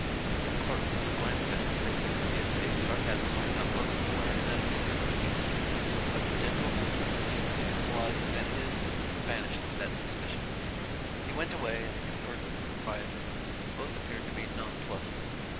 The clerk glanced at her face to see if a sarcasm might not lurk somewhere in that obscure speech, but the gentle simplicity of the beautiful eyes that met his, banished that suspicion. He went away and conferred with the proprietor. Both appeared to be non plussed.